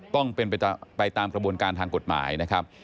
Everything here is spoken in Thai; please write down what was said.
ต้องเป็นไปตามกระบวนการทางกฎหมายนะครับ